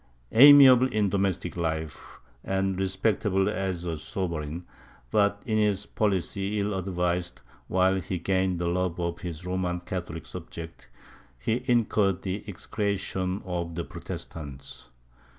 Amiable in domestic life, and respectable as a sovereign, but in his policy ill advised, while he gained the love of his Roman Catholic subjects, he incurred the execration of the Protestants.